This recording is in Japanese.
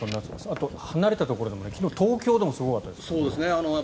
あと、離れたところでも昨日、東京でもすごかったですね。